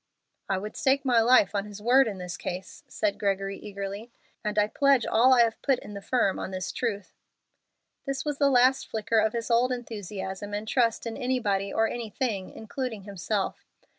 "I would stake my life on his word in this case," said Gregory, eagerly, "and I pledge all I have put in the firm on his truth." This was the last flicker of his old enthusiasm and trust in anybody or anything, including himself.